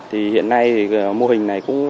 hiện nay mô hình này